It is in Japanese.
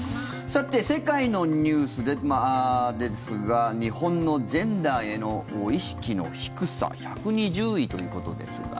さて世界のニュースですが日本のジェンダーへの意識の低さ１２０位ということですが。